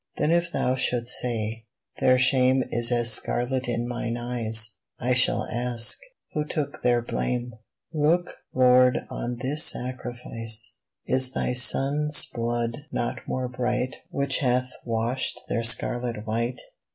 Then if Thou shouldst say : Their shame Is as scarlet in Mine eyes I shall ask : Who took their blame ? Look, Lord, on this Sacrifice ! Is Thy Son's blood not more bright Which hath washed their scarlet white